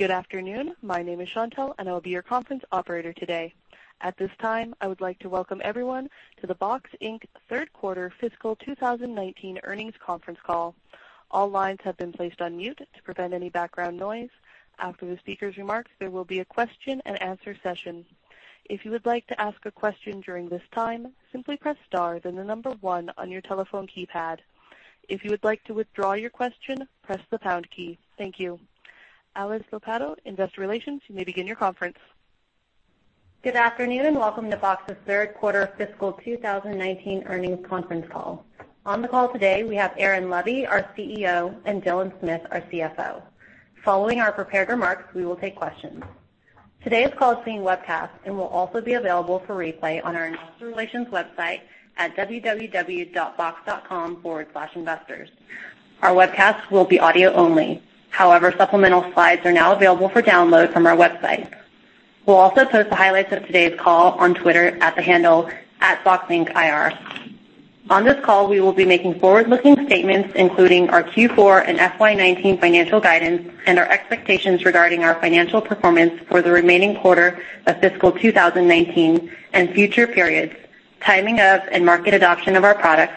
Good afternoon. My name is Chantelle, and I will be your conference operator today. At this time, I would like to welcome everyone to the Box, Inc. third quarter fiscal 2019 earnings conference call. All lines have been placed on mute to prevent any background noise. After the speaker's remarks, there will be a question and answer session. If you would like to ask a question during this time, simply press star, then number one on your telephone keypad. If you would like to withdraw your question, press the pound key. Thank you. Alice Lopatto, investor relations, you may begin your conference. Good afternoon. Welcome to Box's third quarter fiscal 2019 earnings conference call. On the call today, we have Aaron Levie, our CEO, and Dylan Smith, our CFO. Following our prepared remarks, we will take questions. Today's call is being webcast and will also be available for replay on our investor relations website at www.box.com/investors. Our webcast will be audio only. However, supplemental slides are now available for download from our website. We will also post the highlights of today's call on Twitter at the handle @boxincIR. On this call, we will be making forward-looking statements, including our Q4 and FY 2019 financial guidance and our expectations regarding our financial performance for the remaining quarter of fiscal 2019 and future periods, timing of and market adoption of our products,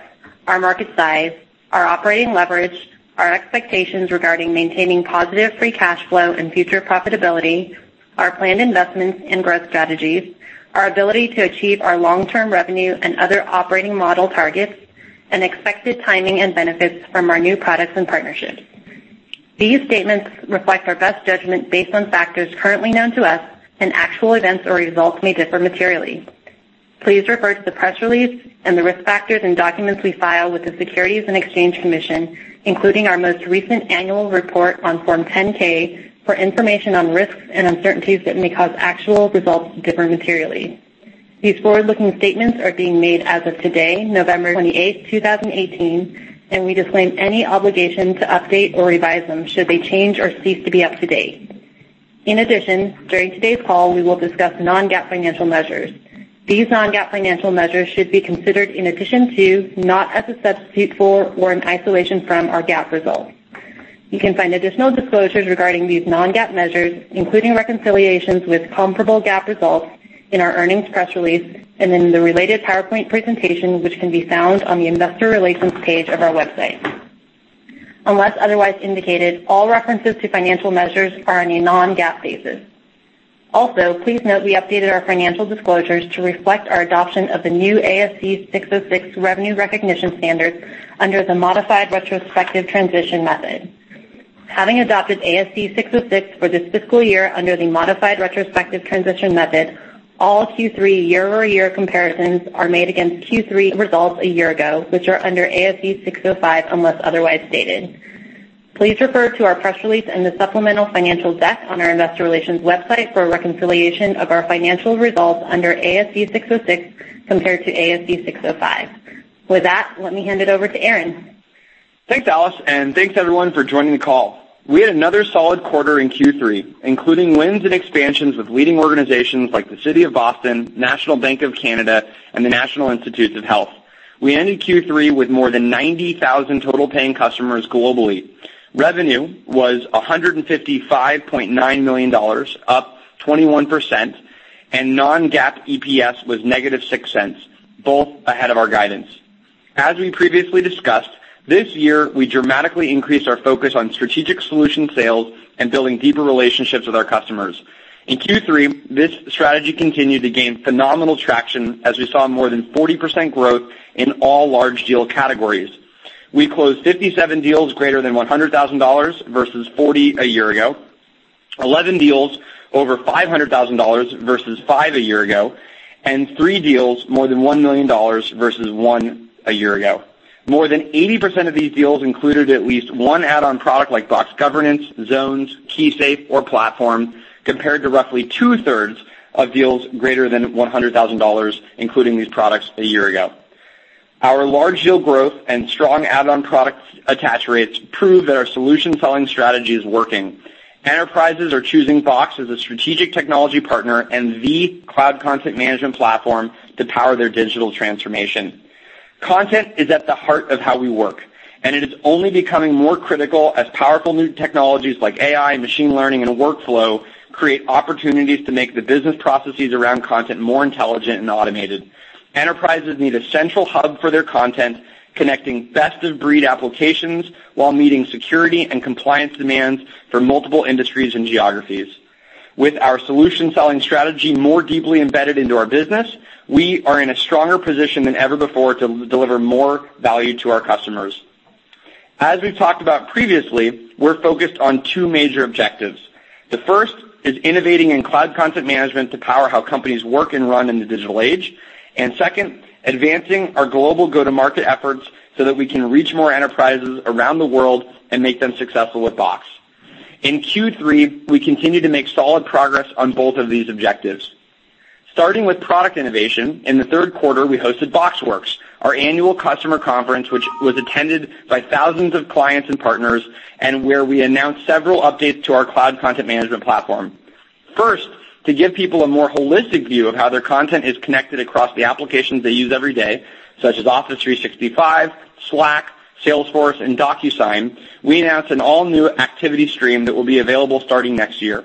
our market size, our operating leverage, our expectations regarding maintaining positive free cash flow and future profitability, our planned investments and growth strategies, our ability to achieve our long-term revenue and other operating model targets, and expected timing and benefits from our new products and partnerships. These statements reflect our best judgment based on factors currently known to us, and actual events or results may differ materially. Please refer to the press release and the risk factors and documents we file with the Securities and Exchange Commission, including our most recent annual report on Form 10-K, for information on risks and uncertainties that may cause actual results to differ materially. These forward-looking statements are being made as of today, November 28th, 2018, and we disclaim any obligation to update or revise them should they change or cease to be up to date. In addition, during today's call, we will discuss non-GAAP financial measures. These non-GAAP financial measures should be considered in addition to, not as a substitute for or in isolation from our GAAP results. You can find additional disclosures regarding these non-GAAP measures, including reconciliations with comparable GAAP results in our earnings press release and in the related PowerPoint presentation, which can be found on the investor relations page of our website. Unless otherwise indicated, all references to financial measures are on a non-GAAP basis. Also, please note we updated our financial disclosures to reflect our adoption of the new ASC 606 revenue recognition standard under the modified retrospective transition method. Having adopted ASC 606 for this fiscal year under the modified retrospective transition method, all Q3 year-over-year comparisons are made against Q3 results a year ago, which are under ASC 605, unless otherwise stated. Please refer to our press release and the supplemental financial deck on our investor relations website for a reconciliation of our financial results under ASC 606 compared to ASC 605. With that, let me hand it over to Aaron. Thanks, Alice, and thanks everyone for joining the call. We had another solid quarter in Q3, including wins and expansions with leading organizations like the City of Boston, National Bank of Canada, and the National Institutes of Health. We ended Q3 with more than 90,000 total paying customers globally. Revenue was $155.9 million, up 21%, and non-GAAP EPS was -$0.06, both ahead of our guidance. As we previously discussed, this year, we dramatically increased our focus on strategic solution sales and building deeper relationships with our customers. In Q3, this strategy continued to gain phenomenal traction as we saw more than 40% growth in all large deal categories. We closed 57 deals greater than $100,000 versus 40 a year ago, 11 deals over $500,000 versus 5 a year ago, and 3 deals more than $1 million versus 1 a year ago. More than 80% of these deals included at least one add-on product like Box Governance, Box Zones, Box KeySafe, or Box Platform, compared to roughly 2/3 of deals greater than $100,000, including these products a year ago. Our large deal growth and strong add-on product attach rates prove that our solution selling strategy is working. Enterprises are choosing Box as a strategic technology partner and the cloud content management platform to power their digital transformation. Content is at the heart of how we work, and it is only becoming more critical as powerful new technologies like AI, machine learning, and workflow create opportunities to make the business processes around content more intelligent and automated. Enterprises need a central hub for their content, connecting best-of-breed applications while meeting security and compliance demands for multiple industries and geographies. With our solution selling strategy more deeply embedded into our business, we are in a stronger position than ever before to deliver more value to our customers. As we've talked about previously, we're focused on two major objectives. The first is innovating in cloud content management to power how companies work and run in the digital age. Second, advancing our global go-to-market efforts so that we can reach more enterprises around the world and make them successful with Box. In Q3, we continued to make solid progress on both of these objectives. Starting with product innovation, in the third quarter, we hosted BoxWorks, our annual customer conference, which was attended by thousands of clients and partners, and where we announced several updates to our cloud content management platform. To give people a more holistic view of how their content is connected across the applications they use every day, such as Office 365, Slack, Salesforce, and DocuSign, we announced an all-new activity stream that will be available starting next year.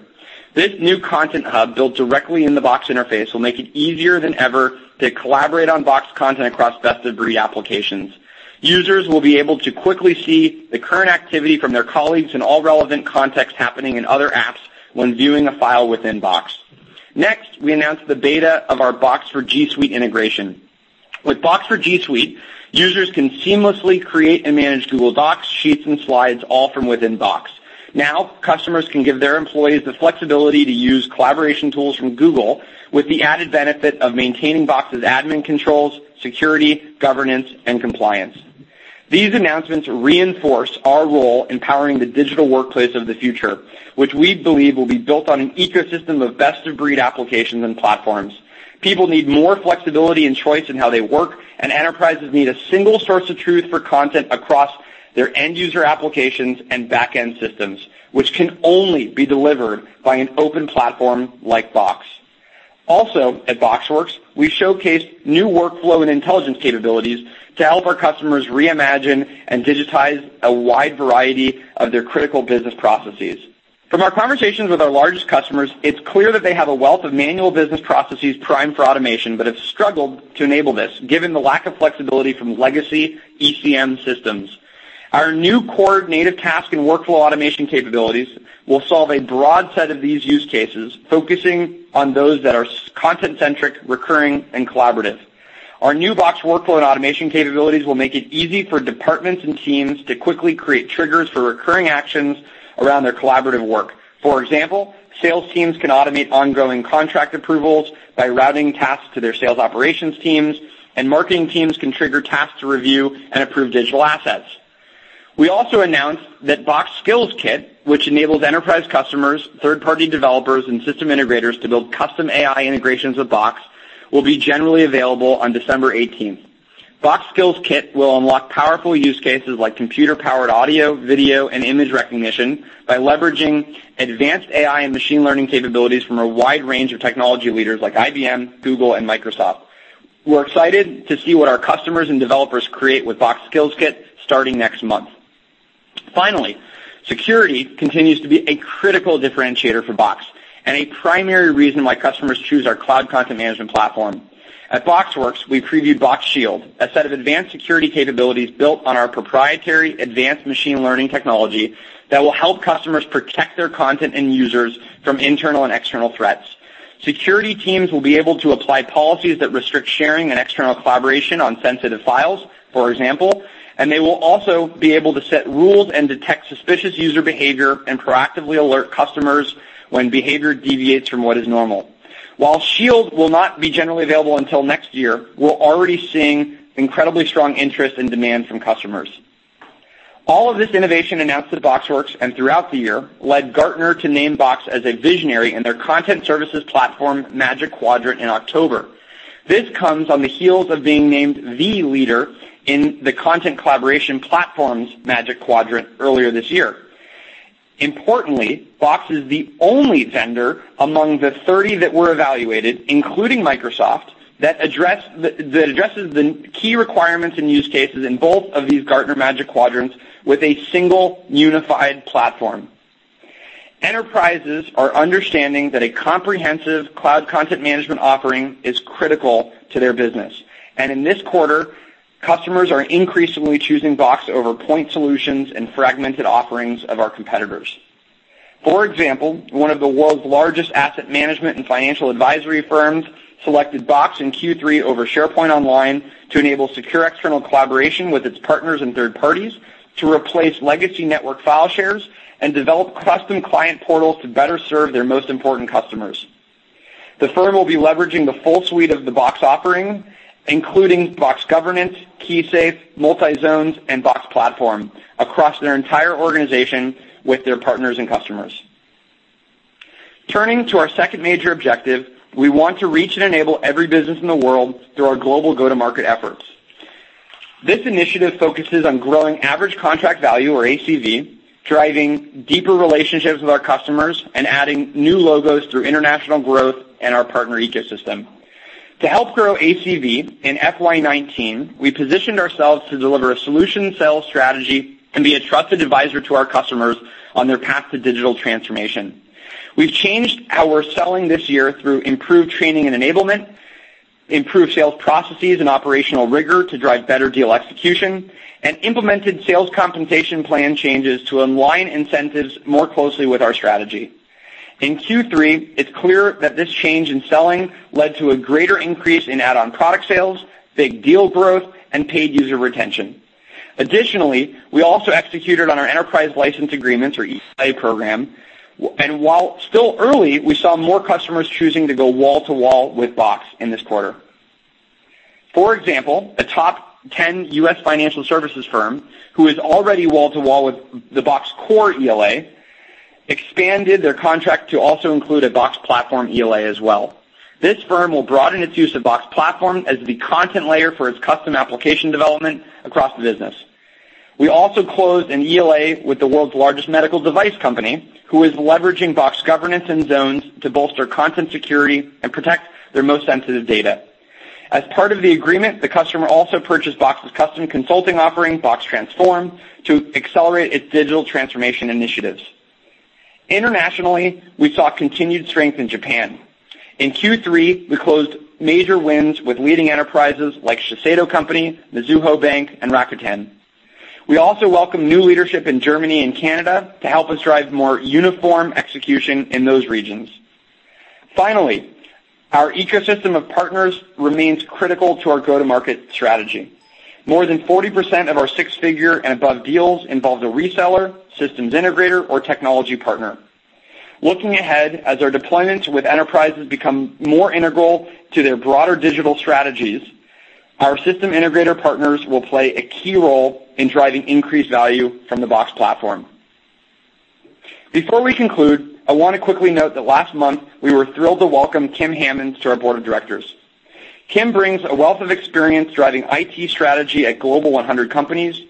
This new content hub, built directly in the Box interface, will make it easier than ever to collaborate on Box content across best-of-breed applications. Users will be able to quickly see the current activity from their colleagues in all relevant contexts happening in other apps when viewing a file within Box. Next, we announced the beta of our Box for G Suite integration. With Box for G Suite, users can seamlessly create and manage Google Docs, Sheets, and Slides, all from within Box. Customers can give their employees the flexibility to use collaboration tools from Google with the added benefit of maintaining Box's admin controls, security, governance, and compliance. These announcements reinforce our role in powering the digital workplace of the future, which we believe will be built on an ecosystem of best-of-breed applications and platforms. People need more flexibility and choice in how they work, and enterprises need a single source of truth for content across their end-user applications and back-end systems, which can only be delivered by an open platform like Box. Also, at BoxWorks, we showcased new workflow and intelligence capabilities to help our customers reimagine and digitize a wide variety of their critical business processes. From our conversations with our largest customers, it is clear that they have a wealth of manual business processes primed for automation but have struggled to enable this, given the lack of flexibility from legacy ECM systems. Our new core native task and workflow automation capabilities will solve a broad set of these use cases, focusing on those that are content-centric, recurring, and collaborative. Our new Box workflow and automation capabilities will make it easy for departments and teams to quickly create triggers for recurring actions around their collaborative work. For example, sales teams can automate ongoing contract approvals by routing tasks to their sales operations teams, and marketing teams can trigger tasks to review and approve digital assets. We also announced that Box Skills Kit, which enables enterprise customers, third-party developers, and system integrators to build custom AI integrations with Box, will be generally available on December 18th. Box Skills Kit will unlock powerful use cases like computer-powered audio, video, and image recognition by leveraging advanced AI and machine learning capabilities from a wide range of technology leaders like IBM, Google, and Microsoft. We're excited to see what our customers and developers create with Box Skills Kit starting next month. Finally, security continues to be a critical differentiator for Box and a primary reason why customers choose our cloud content management platform. At BoxWorks, we previewed Box Shield, a set of advanced security capabilities built on our proprietary advanced machine learning technology that will help customers protect their content and users from internal and external threats. Security teams will be able to apply policies that restrict sharing and external collaboration on sensitive files, for example, and they will also be able to set rules and detect suspicious user behavior and proactively alert customers when behavior deviates from what is normal. While Shield will not be generally available until next year, we're already seeing incredibly strong interest and demand from customers. All of this innovation announced at BoxWorks and throughout the year led Gartner to name Box as a visionary in their content services platform, Magic Quadrant, in October. This comes on the heels of being named the leader in the content collaboration platforms, Magic Quadrant, earlier this year. Importantly, Box is the only vendor among the 30 that were evaluated, including Microsoft, that addresses the key requirements and use cases in both of these Gartner Magic Quadrants with a single unified platform. Enterprises are understanding that a comprehensive cloud content management offering is critical to their business. In this quarter, customers are increasingly choosing Box over point solutions and fragmented offerings of our competitors. For example, one of the world's largest asset management and financial advisory firms selected Box in Q3 over SharePoint Online to enable secure external collaboration with its partners and third parties to replace legacy network file shares and develop custom client portals to better serve their most important customers. The firm will be leveraging the full suite of the Box offering, including Box Governance, KeySafe, Multizones, and Box Platform across their entire organization with their partners and customers. Turning to our second major objective, we want to reach and enable every business in the world through our global go-to-market efforts. This initiative focuses on growing average contract value, or ACV, driving deeper relationships with our customers, and adding new logos through international growth and our partner ecosystem. To help grow ACV in FY 2019, we positioned ourselves to deliver a solution sales strategy and be a trusted advisor to our customers on their path to digital transformation. We've changed how we're selling this year through improved training and enablement, improved sales processes and operational rigor to drive better deal execution, and implemented sales compensation plan changes to align incentives more closely with our strategy. In Q3, it's clear that this change in selling led to a greater increase in add-on product sales, big deal growth, and paid user retention. Additionally, we also executed on our enterprise license agreements, or ELA program, and while still early, we saw more customers choosing to go wall-to-wall with Box in this quarter. For example, a top 10 U.S. financial services firm who is already wall to wall with the Box Core ELA expanded their contract to also include a Box Platform ELA as well. This firm will broaden its use of Box Platform as the content layer for its custom application development across the business. We also closed an ELA with the world's largest medical device company, who is leveraging Box Governance and Zones to bolster content security and protect their most sensitive data. As part of the agreement, the customer also purchased Box's custom consulting offering, Box Transform, to accelerate its digital transformation initiatives. Internationally, we saw continued strength in Japan. In Q3, we closed major wins with leading enterprises like Shiseido Company, Mizuho Bank, and Rakuten. We also welcome new leadership in Germany and Canada to help us drive more uniform execution in those regions. Finally, our ecosystem of partners remains critical to our go-to-market strategy. More than 40% of our six-figure and above deals involved a reseller, systems integrator, or technology partner. Looking ahead, as our deployments with enterprises become more integral to their broader digital strategies, our system integrator partners will play a key role in driving increased value from the Box Platform. Before we conclude, I want to quickly note that last month, we were thrilled to welcome Kim Hammonds to our board of directors. Kim brings a wealth of experience driving IT strategy at Global 100 companies,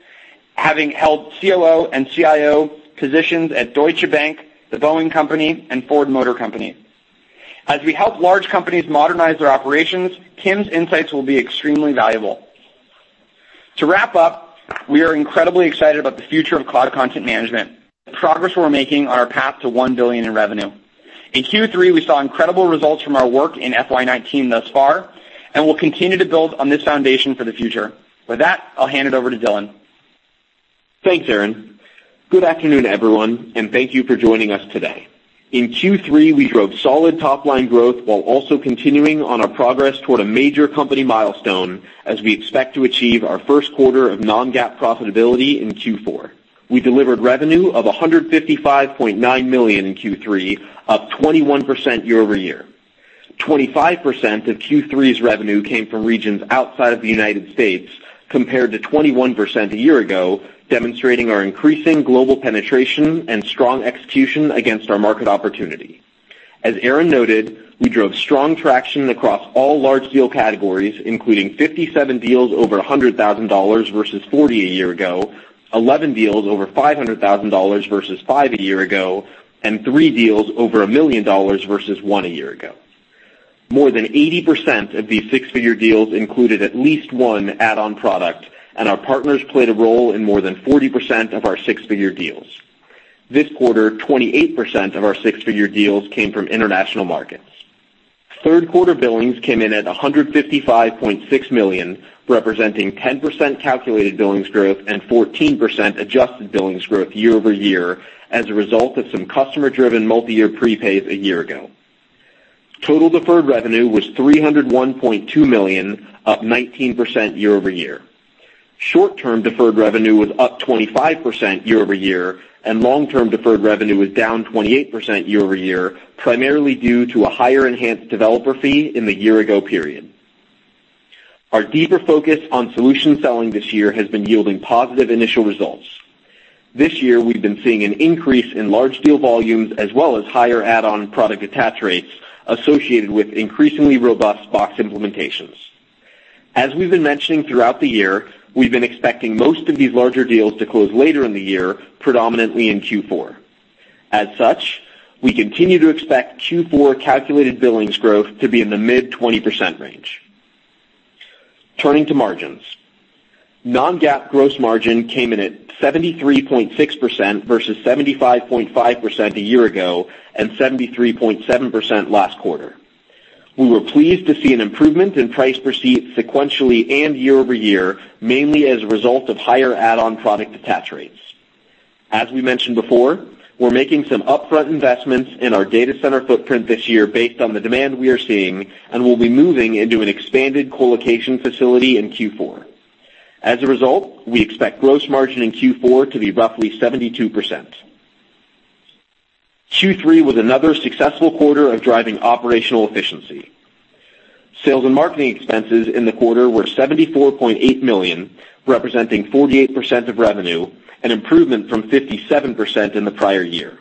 having held CLO and CIO positions at Deutsche Bank, The Boeing Company, and Ford Motor Company. As we help large companies modernize their operations, Kim's insights will be extremely valuable. To wrap up, we are incredibly excited about the future of cloud content management, the progress we're making on our path to $1 billion in revenue. In Q3, we saw incredible results from our work in FY 2019 thus far. We'll continue to build on this foundation for the future. With that, I'll hand it over to Dylan. Thanks, Aaron. Good afternoon, everyone, and thank you for joining us today. In Q3, we drove solid top-line growth while also continuing on our progress toward a major company milestone as we expect to achieve our first quarter of non-GAAP profitability in Q4. We delivered revenue of $155.9 million in Q3, up 21% year-over-year. 25% of Q3's revenue came from regions outside of the United States, compared to 21% a year ago, demonstrating our increasing global penetration and strong execution against our market opportunity. As Aaron noted, we drove strong traction across all large deal categories, including 57 deals over $100,000 versus 40 a year ago, 11 deals over $500,000 versus five a year ago, and three deals over $1 million versus one a year ago. More than 80% of these six-figure deals included at least one add-on product. Our partners played a role in more than 40% of our six-figure deals. This quarter, 28% of our six-figure deals came from international markets. Third quarter billings came in at $155.6 million, representing 10% calculated billings growth and 14% adjusted billings growth year-over-year as a result of some customer-driven multi-year prepays a year ago. Total deferred revenue was $301.2 million, up 19% year-over-year. Short-term deferred revenue was up 25% year-over-year. Long-term deferred revenue was down 28% year-over-year, primarily due to a higher enhanced developer fee in the year-ago period. Our deeper focus on solution selling this year has been yielding positive initial results. This year, we've been seeing an increase in large deal volumes as well as higher add-on product attach rates associated with increasingly robust Box implementations. As we've been mentioning throughout the year, we've been expecting most of these larger deals to close later in the year, predominantly in Q4. As such, we continue to expect Q4 calculated billings growth to be in the mid-20% range. Turning to margins. Non-GAAP gross margin came in at 73.6% versus 75.5% a year ago and 73.7% last quarter. We were pleased to see an improvement in price per seat sequentially and year-over-year, mainly as a result of higher add-on product attach rates. As we mentioned before, we're making some upfront investments in our data center footprint this year based on the demand we are seeing and will be moving into an expanded co-location facility in Q4. As a result, we expect gross margin in Q4 to be roughly 72%. Q3 was another successful quarter of driving operational efficiency. Sales and marketing expenses in the quarter were $74.8 million, representing 48% of revenue, an improvement from 57% in the prior year.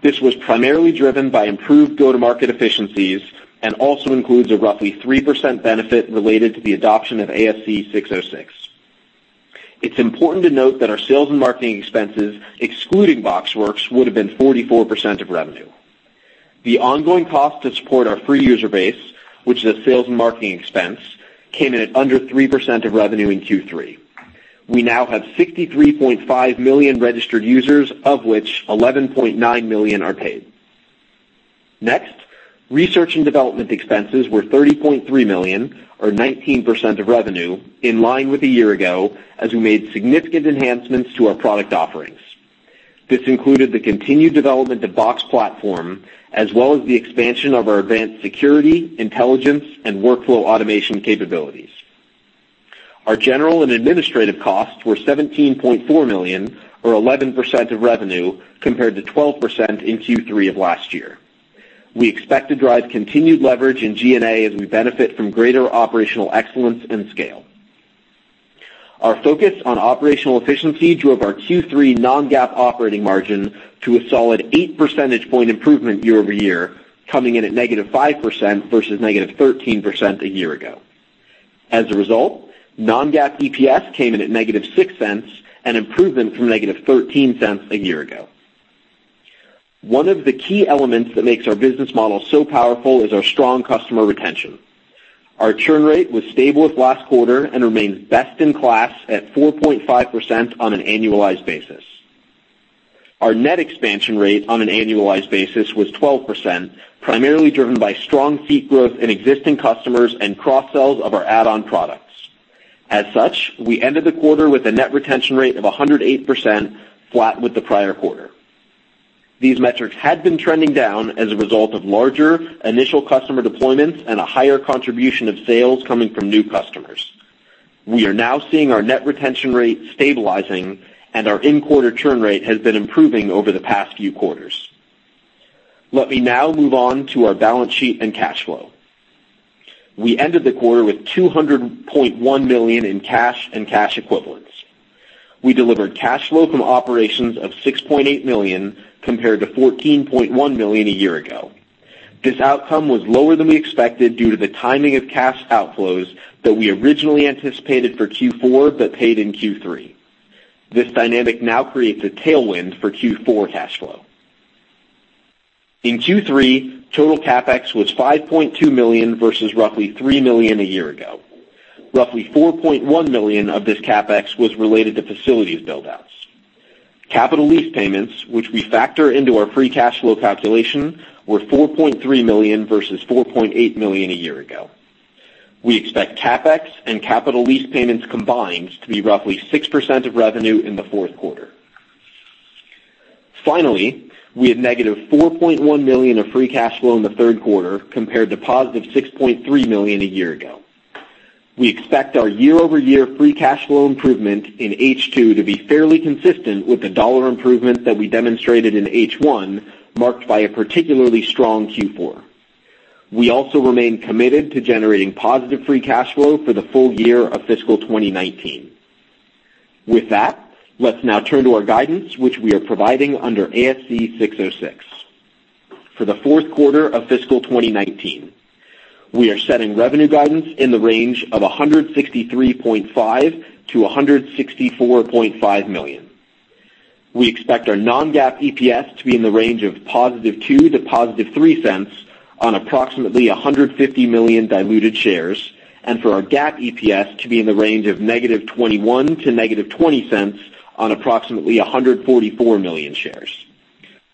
This was primarily driven by improved go-to-market efficiencies and also includes a roughly 3% benefit related to the adoption of ASC 606. It's important to note that our sales and marketing expenses, excluding BoxWorks, would have been 44% of revenue. The ongoing cost to support our free user base, which is a sales and marketing expense, came in at under 3% of revenue in Q3. We now have 63.5 million registered users, of which 11.9 million are paid. Next, research and development expenses were $30.3 million or 19% of revenue, in line with a year ago, as we made significant enhancements to our product offerings. This included the continued development of Box Platform, as well as the expansion of our advanced security, intelligence, and workflow automation capabilities. Our general and administrative costs were $17.4 million or 11% of revenue, compared to 12% in Q3 of last year. We expect to drive continued leverage in G&A as we benefit from greater operational excellence and scale. Our focus on operational efficiency drove our Q3 non-GAAP operating margin to a solid eight percentage point improvement year-over-year, coming in at -5% versus -13% a year ago. As a result, non-GAAP EPS came in at -$0.06, an improvement from -$0.13 a year ago. One of the key elements that makes our business model so powerful is our strong customer retention. Our churn rate was stable with last quarter and remains best in class at 4.5% on an annualized basis. Our net expansion rate on an annualized basis was 12%, primarily driven by strong seat growth in existing customers and cross-sells of our add-on products. As such, we ended the quarter with a net retention rate of 108%, flat with the prior quarter. These metrics had been trending down as a result of larger initial customer deployments and a higher contribution of sales coming from new customers. We are now seeing our net retention rate stabilizing, and our in-quarter churn rate has been improving over the past few quarters. Let me now move on to our balance sheet and cash flow. We ended the quarter with $200.1 million in cash and cash equivalents. We delivered cash flow from operations of $6.8 million compared to $14.1 million a year ago. This outcome was lower than we expected due to the timing of cash outflows that we originally anticipated for Q4 but paid in Q3. This dynamic now creates a tailwind for Q4 cash flow. In Q3, total CapEx was $5.2 million versus roughly $3 million a year ago. Roughly $4.1 million of this CapEx was related to facilities build-outs. Capital lease payments, which we factor into our free cash flow calculation, were $4.3 million versus $4.8 million a year ago. We expect CapEx and capital lease payments combined to be roughly 6% of revenue in the fourth quarter. Finally, we had -$4.1 million of free cash flow in the third quarter compared to +$6.3 million a year ago. We expect our year-over-year free cash flow improvement in H2 to be fairly consistent with the dollar improvement that we demonstrated in H1, marked by a particularly strong Q4. We also remain committed to generating positive free cash flow for the full year of fiscal 2019. With that, let's now turn to our guidance, which we are providing under ASC 606. For the fourth quarter of fiscal 2019, we are setting revenue guidance in the range of $163.5 million-$164.5 million. We expect our non-GAAP EPS to be in the range of +$0.02 to +$0.03 on approximately 150 million diluted shares, and for our GAAP EPS to be in the range of -$0.21 to -$0.20 on approximately 144 million shares.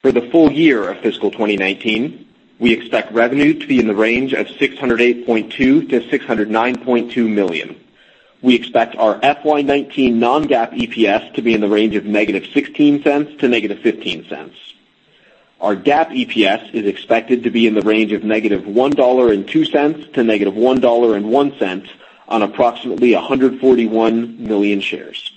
For the full year of fiscal 2019, we expect revenue to be in the range of $608.2 million-$609.2 million. We expect our FY 2019 non-GAAP EPS to be in the range of -$0.16 to -$0.15. Our GAAP EPS is expected to be in the range of -$1.02 to -$1.01 on approximately 141 million shares.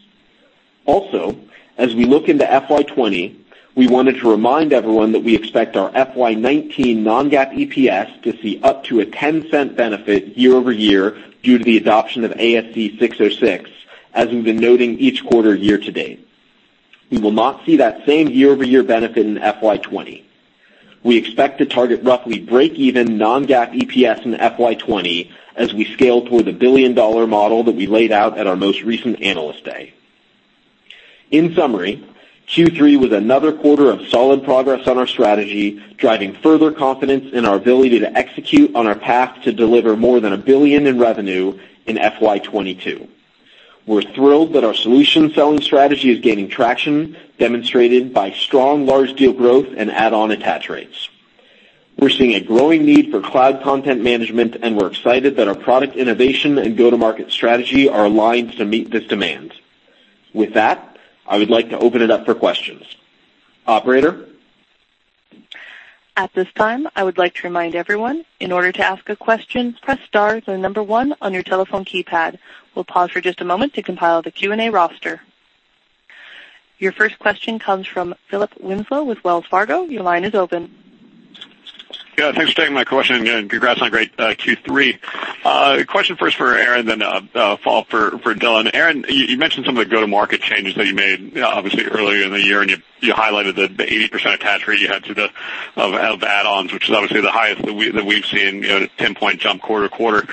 As we look into FY 2020, we wanted to remind everyone that we expect our FY 2019 non-GAAP EPS to see up to a $0.10 benefit year-over-year due to the adoption of ASC 606, as we've been noting each quarter year-to-date. We will not see that same year-over-year benefit in FY 2020. We expect to target roughly breakeven non-GAAP EPS in FY 2020 as we scale toward the $1 billion model that we laid out at our most recent Analyst Day. In summary, Q3 was another quarter of solid progress on our strategy, driving further confidence in our ability to execute on our path to deliver more than $1 billion in revenue in FY 2022. We're thrilled that our solution selling strategy is gaining traction, demonstrated by strong large deal growth and add-on attach rates. We're seeing a growing need for cloud content management, and we're excited that our product innovation and go-to-market strategy are aligned to meet this demand. With that, I would like to open it up for questions. Operator? At this time, I would like to remind everyone, in order to ask a question, press star then the number one on your telephone keypad. We'll pause for just a moment to compile the Q&A roster. Your first question comes from Philip Winslow with Wells Fargo. Your line is open. Yeah, thanks for taking my question, and congrats on a great Q3. Question first for Aaron, then a follow-up for Dylan. Aaron, you mentioned some of the go-to-market changes that you made, obviously, earlier in the year, and you highlighted the 80% attach rate you had of add-ons, which is obviously the highest that we've seen, a 10-point jump quarter-over-quarter.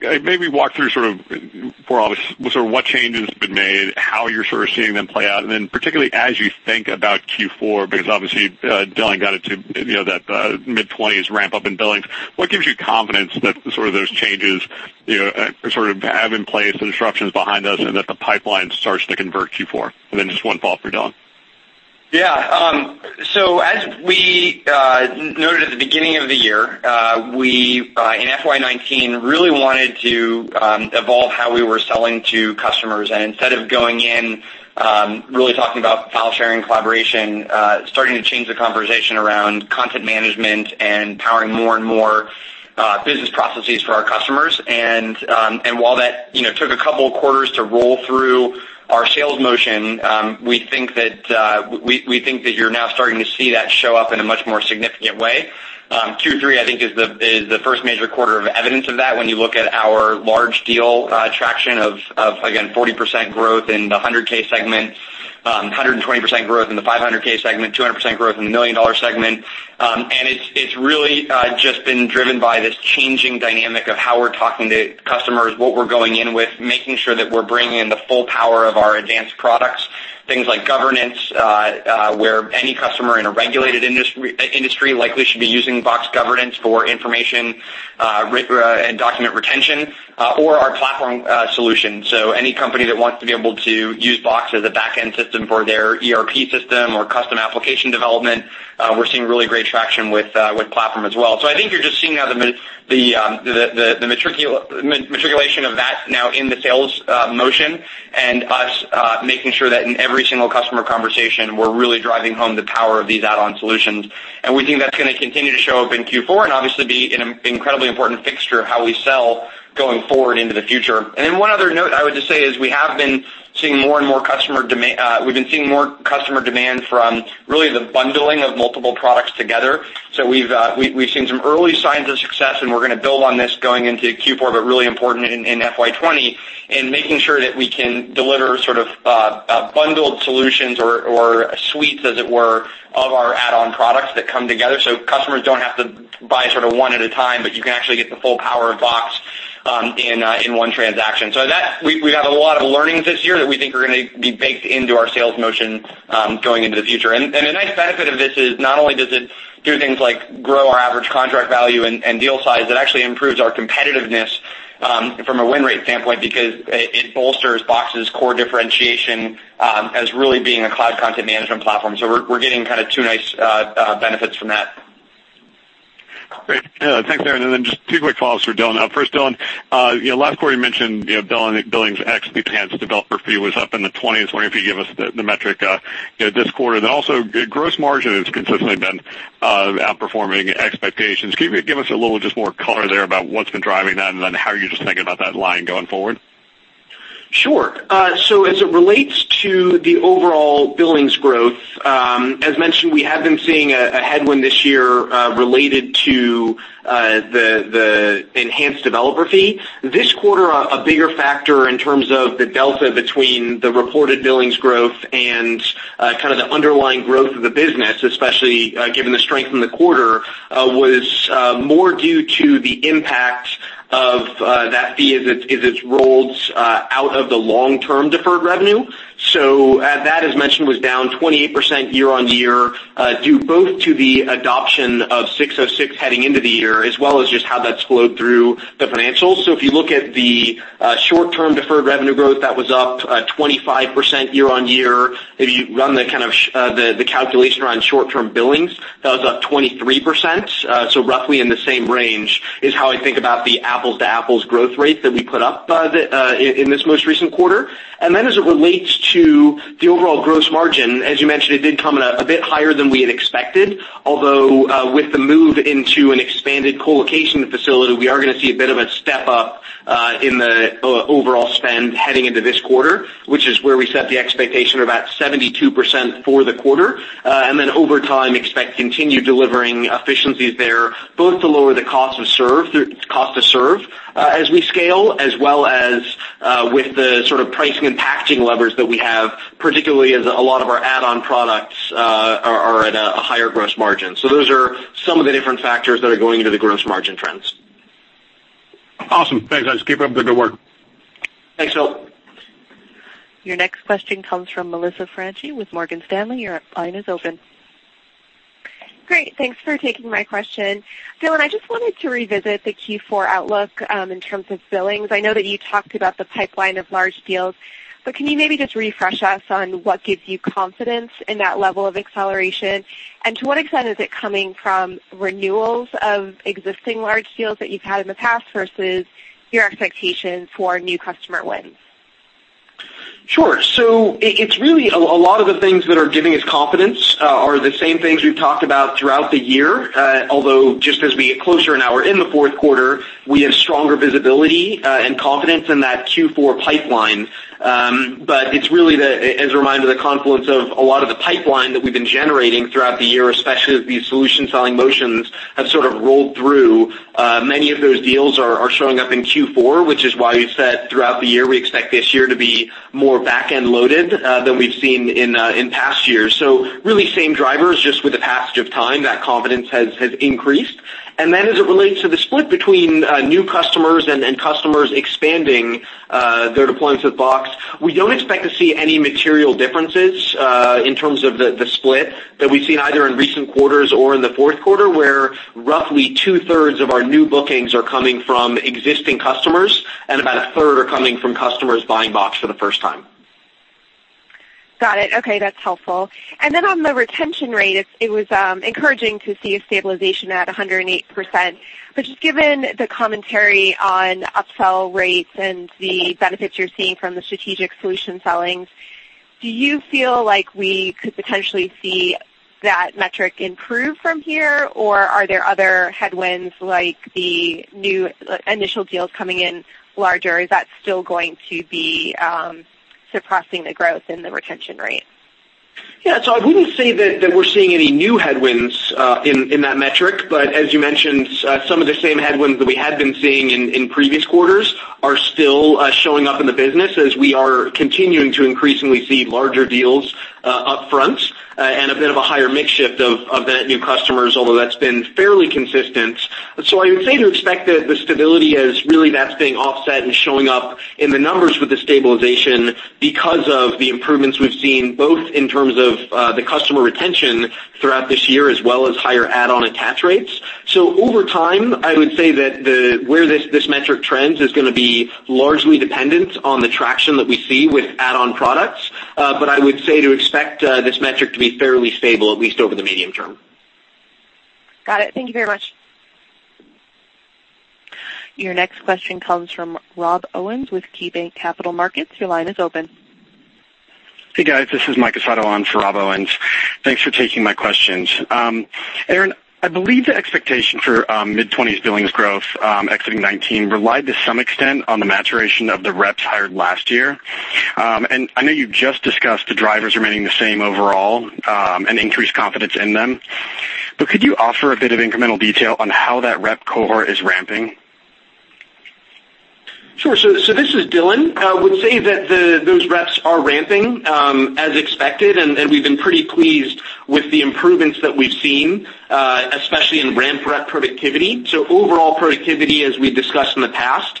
Maybe walk through for all of us what changes have been made, how you're sort of seeing them play out, and then particularly as you think about Q4, because obviously Dylan got into that mid-20% ramp-up in billings. What gives you confidence that those changes have in place, the disruption's behind us, and that the pipeline starts to convert Q4? Just one follow-up for Dylan. Yeah. As we noted at the beginning of the year, we, in FY 2019, really wanted to evolve how we were selling to customers. Instead of going in really talking about file sharing and collaboration, starting to change the conversation around content management and powering more and more business processes for our customers. While that took a couple of quarters to roll through our sales motion, we think that you're now starting to see that show up in a much more significant way. Q3, I think, is the first major quarter of evidence of that when you look at our large deal traction of, again, 40% growth in the $100,000 segment, 120% growth in the $500,000 segment, 200% growth in the $1 million segment. It's really just been driven by this changing dynamic of how we're talking to customers, what we're going in with, making sure that we're bringing in the full power of our advanced products, things like Governance, where any customer in a regulated industry likely should be using Box Governance for information, and document retention, or our Platform solution. Any company that wants to be able to use Box as a back-end system for their ERP system or custom application development, we're seeing really great traction with Platform as well. I think you're just seeing how the matriculation of that now in the sales motion and us making sure that in every single customer conversation, we're really driving home the power of these add-on solutions. We think that's going to continue to show up in Q4 and obviously be an incredibly important fixture of how we sell going forward into the future. One other note I would just say is we have been seeing more customer demand from really the bundling of multiple products together. We've seen some early signs of success, and we're going to build on this going into Q4, but really important in FY 2020, in making sure that we can deliver sort of bundled solutions or suites, as it were, of our add-on products that come together. Customers don't have to buy one at a time, but you can actually get the full power of Box in one transaction. We've had a lot of learnings this year that we think are going to be baked into our sales motion, going into the future. A nice benefit of this is not only does it do things like grow our average contract value and deal size, it actually improves our competitiveness from a win rate standpoint, because it bolsters Box's core differentiation as really being a cloud content management platform. We're getting two nice benefits from that. Great. Thanks, Aaron. Just two quick follows for Dylan. First, Dylan, last quarter you mentioned billings ex the enhanced developer fee was up in the 20%. I was wondering if you could give us the metric this quarter. Also, gross margin has consistently been outperforming expectations. Can you give us a little just more color there about what's been driving that and then how you're just thinking about that line going forward? Sure. As it relates to the overall billings growth, as mentioned, we have been seeing a headwind this year related to the enhanced developer fee. This quarter, a bigger factor in terms of the delta between the reported billings growth and kind of the underlying growth of the business, especially given the strength in the quarter, was more due to the impact of that fee as it's rolled out of the long-term deferred revenue. That, as mentioned, was down 28% year-on-year, due both to the adoption of 606 heading into the year as well as just how that's flowed through the financials. If you look at the short-term deferred revenue growth, that was up 25% year-on-year. If you run the calculation around short-term billings, that was up 23%, so roughly in the same range is how I think about the apples-to-apples growth rate that we put up in this most recent quarter. As it relates to the overall gross margin, as you mentioned, it did come in a bit higher than we had expected. Although, with the move into an expanded co-location facility, we are going to see a bit of a step-up in the overall spend heading into this quarter, which is where we set the expectation of about 72% for the quarter. Over time, expect continued delivering efficiencies there both to lower the cost to serve as we scale, as well as with the sort of pricing and packaging levers that we have, particularly as a lot of our add-on products are at a higher gross margin. Those are some of the different factors that are going into the gross margin trends. Awesome. Thanks, guys. Keep up the good work. Thanks, Phil. Your next question comes from Melissa Franchi with Morgan Stanley. Your line is open. Great. Thanks for taking my question. Dylan, I just wanted to revisit the Q4 outlook in terms of billings. I know that you talked about the pipeline of large deals, but can you maybe just refresh us on what gives you confidence in that level of acceleration? To what extent is it coming from renewals of existing large deals that you've had in the past versus your expectations for new customer wins? Sure. It's really a lot of the things that are giving us confidence are the same things we've talked about throughout the year. Although just as we get closer, now we're in the fourth quarter, we have stronger visibility and confidence in that Q4 pipeline. It's really, as a reminder, the confluence of a lot of the pipeline that we've been generating throughout the year, especially as these solution selling motions have sort of rolled through. Many of those deals are showing up in Q4, which is why we said throughout the year, we expect this year to be more back-end loaded than we've seen in past years. Really same drivers, just with the passage of time, that confidence has increased. As it relates to the split between new customers and customers expanding their deployments with Box, we don't expect to see any material differences in terms of the split that we've seen either in recent quarters or in the fourth quarter, where roughly 2/3 of our new bookings are coming from existing customers and about 1/3 are coming from customers buying Box for the first time. Got it. Okay, that's helpful. On the retention rate, it was encouraging to see a stabilization at 108%, but just given the commentary on upsell rates and the benefits you're seeing from the strategic solution sellings, do you feel like we could potentially see that metric improve from here? Or are there other headwinds like the new initial deals coming in larger? Is that still going to be suppressing the growth in the retention rate? Yeah. I wouldn't say that we're seeing any new headwinds in that metric, but as you mentioned, some of the same headwinds that we had been seeing in previous quarters are still showing up in the business as we are continuing to increasingly see larger deals upfront and a bit of a higher mix shift of net new customers, although that's been fairly consistent. I would say to expect that the stability is really that's being offset and showing up in the numbers with the stabilization because of the improvements we've seen, both in terms of the customer retention throughout this year, as well as higher add-on attach rates. Over time, I would say that where this metric trends is going to be largely dependent on the traction that we see with add-on products. I would say to expect this metric to be fairly stable, at least over the medium term. Got it. Thank you very much. Your next question comes from Rob Owens with KeyBanc Capital Markets. Your line is open. Hey, guys. This is Mike Casado in for Rob Owens. Thanks for taking my questions. Aaron, I believe the expectation for mid-20% billings growth exiting 2019 relied to some extent on the maturation of the reps hired last year. I know you just discussed the drivers remaining the same overall and increased confidence in them, but could you offer a bit of incremental detail on how that rep cohort is ramping? Sure. This is Dylan. I would say that those reps are ramping as expected, and we've been pretty pleased with the improvements that we've seen, especially in ramped rep productivity. Overall productivity, as we discussed in the past,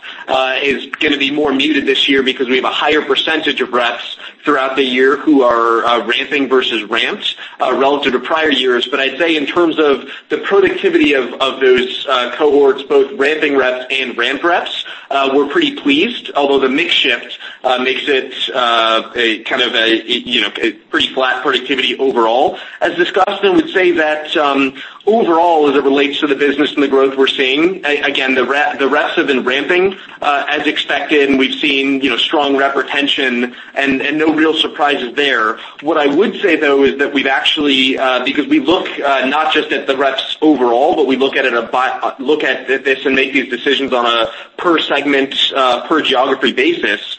is going to be more muted this year because we have a higher percentage of reps throughout the year who are ramping versus ramped relative to prior years. I'd say in terms of the productivity of those cohorts, both ramping reps and ramped reps, we're pretty pleased. Although the mix shift makes it a kind of a pretty flat productivity overall. As discussed, I would say that overall, as it relates to the business and the growth we're seeing, again, the reps have been ramping as expected, and we've seen strong rep retention and no real surprises there. What I would say, though, is that because we look not just at the reps overall, but we look at this and make these decisions on a per segment, per geography basis.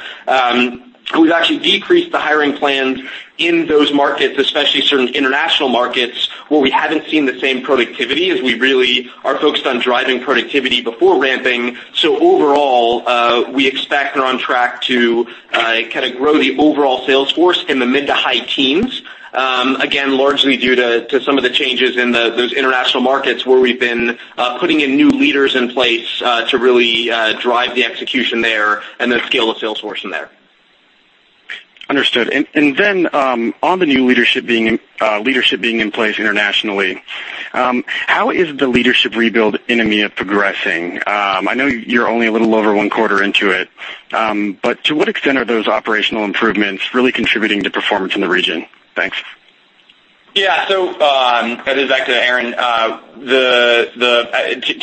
We've actually decreased the hiring plans in those markets, especially certain international markets where we haven't seen the same productivity, as we really are focused on driving productivity before ramping. Overall, we expect and are on track to kind of grow the overall sales force in the mid to high teens. Again, largely due to some of the changes in those international markets where we've been putting in new leaders in place to really drive the execution there and then scale the sales force in there. Understood. On the new leadership being in place internationally, how is the leadership rebuild in EMEA progressing? I know you're only a little over one quarter into it. To what extent are those operational improvements really contributing to performance in the region? Thanks. This is actually Aaron. To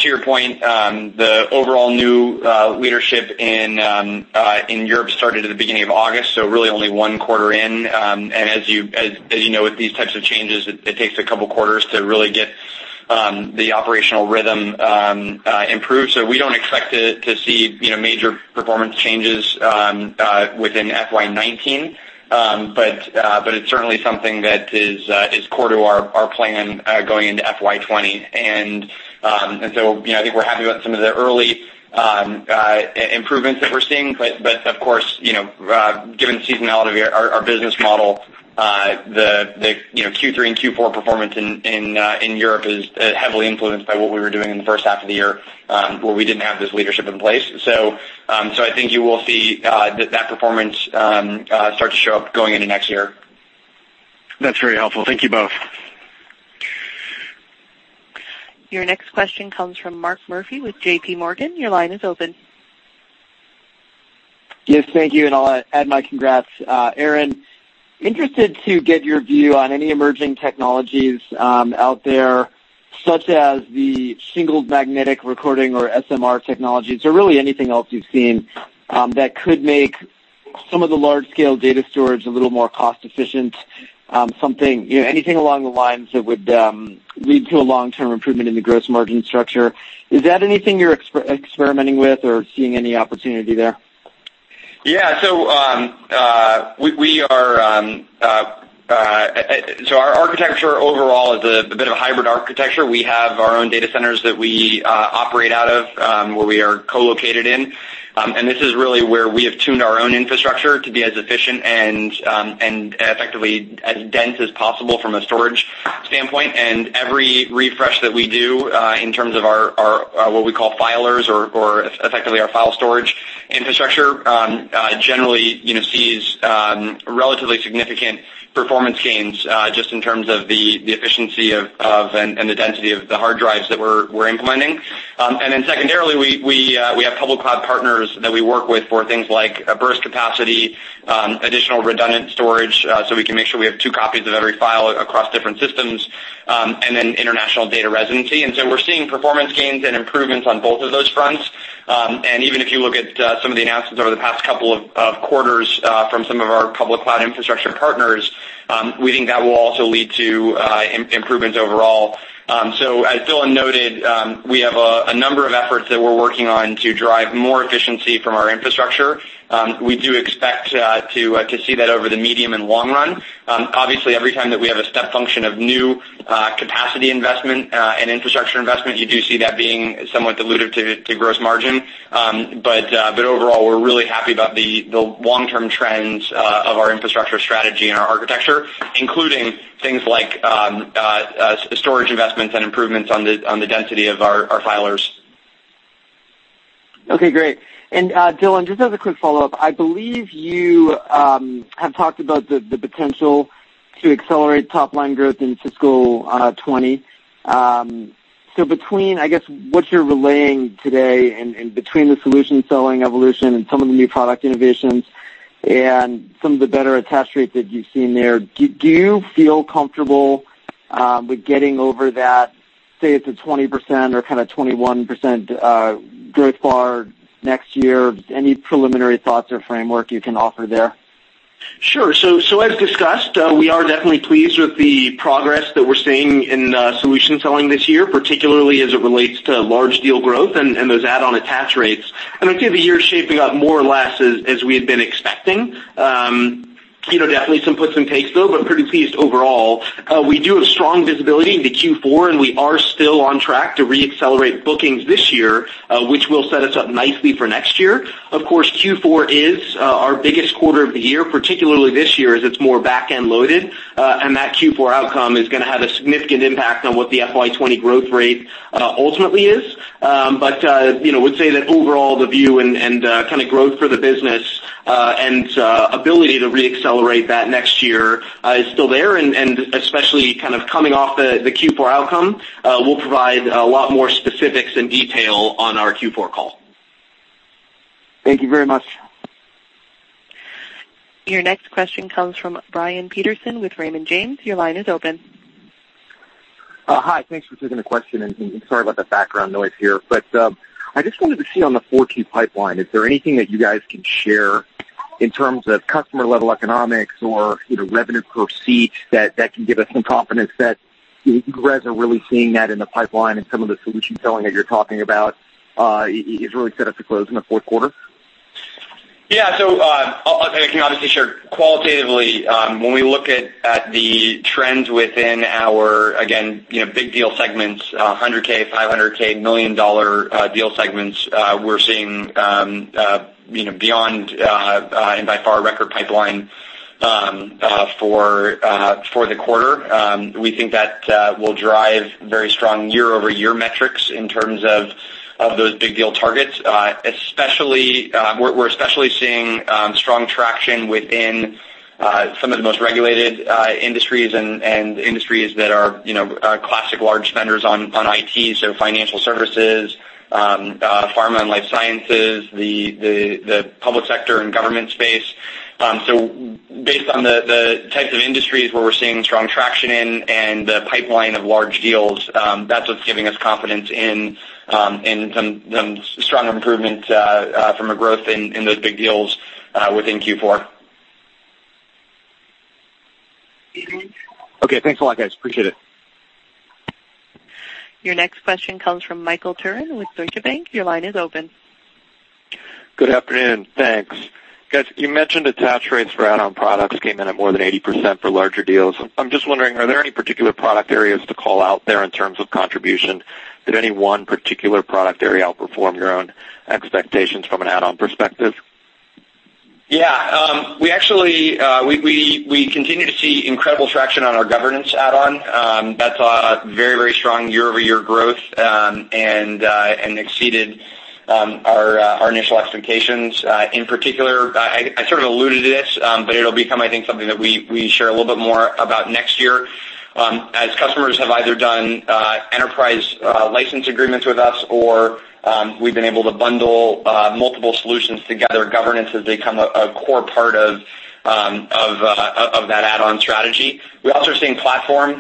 your point, the overall new leadership in Europe started at the beginning of August, really only one quarter in. As you know, with these types of changes, it takes a couple quarters to really get the operational rhythm improved. We don't expect to see major performance changes within FY 2019. It's certainly something that is core to our plan going into FY 2020. I think we're happy about some of the early improvements that we're seeing. Of course, given the seasonality of our business model, the Q3 and Q4 performance in Europe is heavily influenced by what we were doing in the first half of the year, where we didn't have this leadership in place. I think you will see that performance start to show up going into next year. That's very helpful. Thank you both. Your next question comes from Mark Murphy with JPMorgan. Your line is open. Yes, thank you. I'll add my congrats. Aaron, interested to get your view on any emerging technologies out there, such as the single magnetic recording or SMR technologies, or really anything else you've seen that could make some of the large-scale data storage a little more cost-efficient. Anything along the lines that would lead to a long-term improvement in the gross margin structure. Is that anything you're experimenting with or seeing any opportunity there? Yeah. Our architecture overall is a bit of a hybrid architecture. We have our own data centers that we operate out of, where we are co-located in. This is really where we have tuned our own infrastructure to be as efficient and effectively as dense as possible from a storage standpoint. Every refresh that we do in terms of our what we call filers or effectively our file storage infrastructure generally sees relatively significant performance gains just in terms of the efficiency of and the density of the hard drives that we're implementing. Secondarily, we have public cloud partners that we work with for things like burst capacity, additional redundant storage, so we can make sure we have two copies of every file across different systems, and then international data residency. We're seeing performance gains and improvements on both of those fronts. Even if you look at some of the announcements over the past couple of quarters from some of our public cloud infrastructure partners, we think that will also lead to improvements overall. As Dylan noted, we have a number of efforts that we're working on to drive more efficiency from our infrastructure. We do expect to see that over the medium and long-run. Obviously, every time that we have a step function of new capacity investment and infrastructure investment, you do see that being somewhat dilutive to gross margin. Overall, we're really happy about the long-term trends of our infrastructure strategy and our architecture, including things like storage investments and improvements on the density of our filers. Okay, great. Dylan, just as a quick follow-up, I believe you have talked about the potential to accelerate top-line growth in fiscal 2020. Between, I guess, what you're relaying today and between the solution selling evolution and some of the new product innovations and some of the better attach rates that you've seen there, do you feel comfortable with getting over that, say, it's a 20% or kind of 21% growth bar next year? Any preliminary thoughts or framework you can offer there? Sure. As discussed, we are definitely pleased with the progress that we're seeing in solution selling this year, particularly as it relates to large deal growth and those add-on attach rates. I'd say the year is shaping up more or less as we had been expecting. Definitely some puts and takes, though, but pretty pleased overall. We do have strong visibility into Q4, and we are still on track to re-accelerate bookings this year, which will set us up nicely for next year. Of course, Q4 is our biggest quarter of the year, particularly this year as it's more back-end loaded. That Q4 outcome is going to have a significant impact on what the FY 2020 growth rate ultimately is. Would say that overall, the view and kind of growth for the business, and ability to re-accelerate that next year is still there, and especially kind of coming off the Q4 outcome. We'll provide a lot more specifics and detail on our Q4 call. Thank you very much. Your next question comes from Brian Peterson with Raymond James. Your line is open. Hi. Thanks for taking the question, and sorry about the background noise here. I just wanted to see on the 4Q pipeline, is there anything that you guys can share in terms of customer-level economics or revenue per seat that can give us some confidence that you guys are really seeing that in the pipeline and some of the solution selling that you're talking about is really set up to close in the fourth quarter? Yeah. I can obviously share qualitatively, when we look at the trends within our, again, big deal segments, $100,000, $500,000, $1 million deal segments, we're seeing beyond, and by far, record pipeline for the quarter. We think that will drive very strong year-over-year metrics in terms of those big deal targets. We're especially seeing strong traction within some of the most regulated industries and industries that are classic large spenders on IT, financial services, pharma and life sciences, the public sector and government space. Based on the types of industries where we're seeing strong traction in and the pipeline of large deals, that's what's giving us confidence in some strong improvement from a growth in those big deals within Q4. Okay. Thanks a lot, guys. Appreciate it. Your next question comes from Michael Turrin with Deutsche Bank. Your line is open. Good afternoon. Thanks. Guys, you mentioned attach rates for add-on products came in at more than 80% for larger deals. I'm just wondering, are there any particular product areas to call out there in terms of contribution? Did any one particular product area outperform your own expectations from an add-on perspective? We continue to see incredible traction on our Governance add-on. That saw very strong year-over-year growth, and exceeded our initial expectations. In particular, I sort of alluded to this, but it'll become, I think, something that we share a little bit more about next year. As customers have either done enterprise license agreements with us or we've been able to bundle multiple solutions together, Governance has become a core part of that add-on strategy. We're also seeing Platform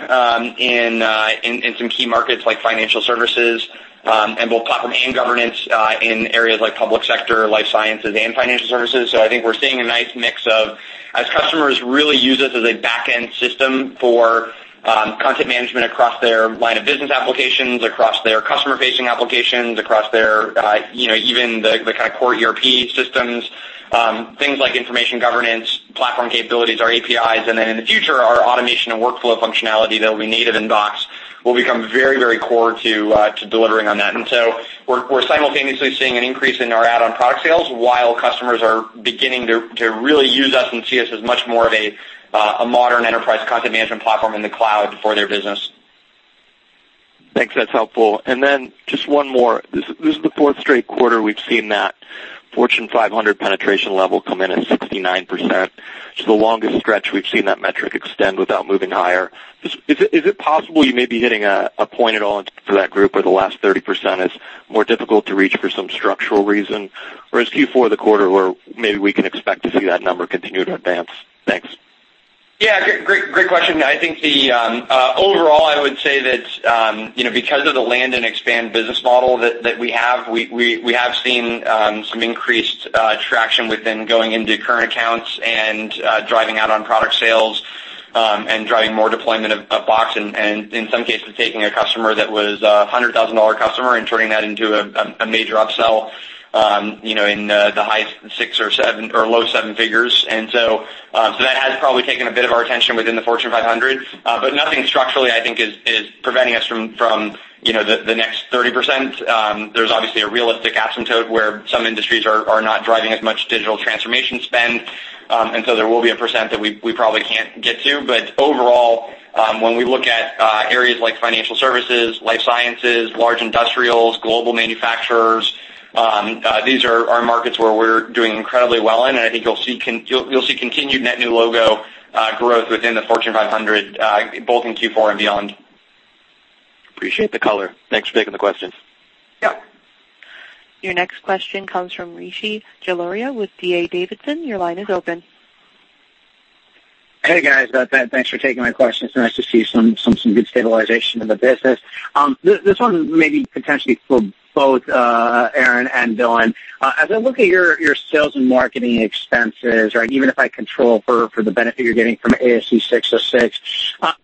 in some key markets like financial services, and both Platform and Governance in areas like public sector, life sciences, and financial services. I think we're seeing a nice mix of as customers really use us as a back-end system for content management across their line of business applications, across their customer-facing applications, across their even the kind of core ERP systems, things like information Governance, Platform capabilities, our APIs, then in the future, our automation and workflow functionality that will be native in Box will become very core to delivering on that. We're simultaneously seeing an increase in our add-on product sales while customers are beginning to really use us and see us as much more of a modern enterprise content management platform in the cloud for their business. Thanks. That's helpful. Just one more. This is the fourth straight quarter we've seen that Fortune 500 penetration level comes in at 69%, which is the longest stretch we've seen that metric extend without moving higher. Is it possible you may be hitting a point at all for that group where the last 30% is more difficult to reach for some structural reason? Is Q4 the quarter where maybe we can expect to see that number continue to advance? Thanks. Yeah. Great question. I think overall, I would say that because of the land and expand business model that we have, we have seen some increased traction within going into current accounts and driving add-on product sales. Driving more deployment of Box and in some cases, taking a customer that was a $100,000 customer and turning that into a major upsell, in the high six or low seven figures. That has probably taken a bit of our attention within the Fortune 500. Nothing structurally, I think, is preventing us from the next 30%. There's obviously a realistic asymptote where some industries are not driving as much digital transformation spend. There will be a percent that we probably can't get to. Overall, when we look at areas like financial services, life sciences, large industrials, global manufacturers, these are our markets where we're doing incredibly well in. I think you'll see continued net new logo growth within the Fortune 500, both in Q4 and beyond. Appreciate the color. Thanks for taking the question. Yeah. Your next question comes from Rishi Jaluria with D.A. Davidson. Your line is open. Hey, guys. Thanks for taking my questions. It's nice to see some good stabilization in the business. This one may be potentially for both Aaron and Dylan. As I look at your sales and marketing expenses, or even if I control for the benefit you're getting from ASC 606,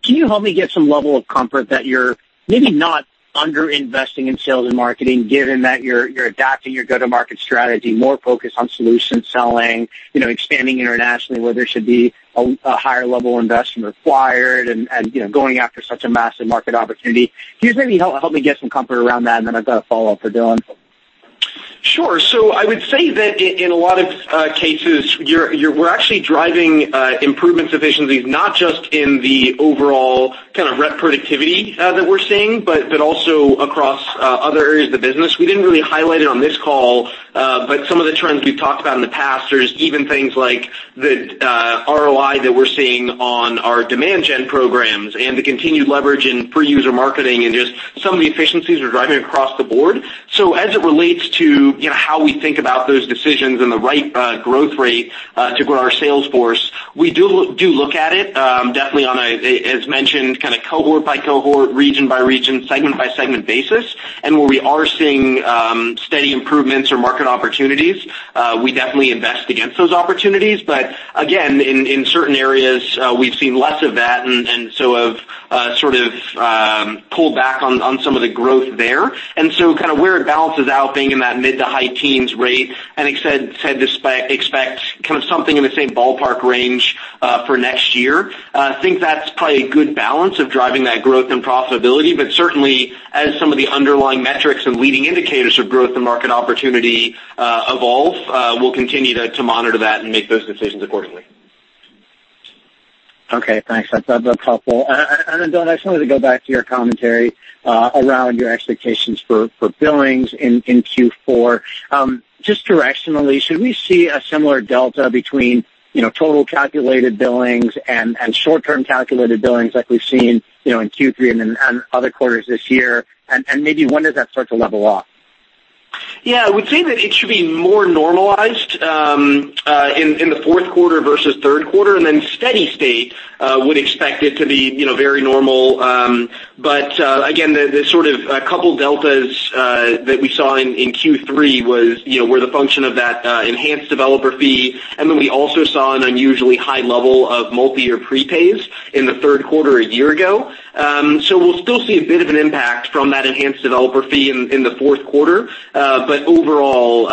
can you help me get some level of comfort that you're maybe not under-investing in sales and marketing, given that you're adapting your go-to-market strategy, more focused on solution selling, expanding internationally where there should be a higher level investment required, and going after such a massive market opportunity? Can you maybe help me get some comfort around that? I've got a follow-up for Dylan. Sure. I would say that in a lot of cases, we're actually driving improvements, efficiencies, not just in the overall rep productivity that we're seeing, but also across other areas of the business. We didn't really highlight it on this call, but some of the trends we've talked about in the past, there's even things like the ROI that we're seeing on our demand gen programs and the continued leverage in per-user marketing, and just some of the efficiencies we're driving across the board. As it relates to how we think about those decisions and the right growth rate to grow our sales force, we do look at it, definitely on a, as mentioned, kind of cohort by cohort, region by region, segment by segment basis. Where we are seeing steady improvements or market opportunities, we definitely invest against those opportunities. Again, in certain areas, we've seen less of that have sort of pulled back on some of the growth there. Where it balances out, being in that mid to high teens rate, and expect kind of something in the same ballpark range for next year. I think that's probably a good balance of driving that growth and profitability. Certainly, as some of the underlying metrics and leading indicators of growth and market opportunity evolve, we'll continue to monitor that and make those decisions accordingly. Okay, thanks. That's helpful. Dylan, I just wanted to go back to your commentary around your expectations for billings in Q4. Just directionally, should we see a similar delta between total calculated billings and short-term calculated billings like we've seen in Q3 and other quarters this year, and maybe when does that start to level off? Yeah. I would say that it should be more normalized in the fourth quarter versus third quarter, steady state would expect it to be very normal. Again, the sort of couple of deltas that we saw in Q3 were the function of that enhanced developer fee, we also saw an unusually high level of multi-year prepays in the third quarter a year ago. We'll still see a bit of an impact from that enhanced developer fee in the fourth quarter. Overall,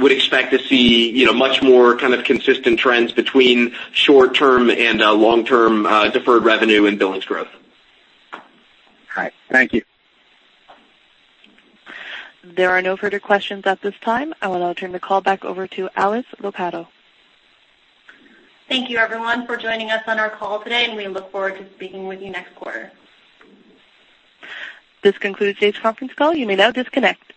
would expect to see much more kind of consistent trends between short-term and long-term deferred revenue and billings growth. All right. Thank you. There are no further questions at this time. I will now turn the call back over to Alice Lopatto. Thank you everyone for joining us on our call today. We look forward to speaking with you next quarter. This concludes today's conference call. You may now disconnect.